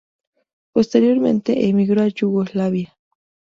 Posteriormente emigró a Yugoslavia.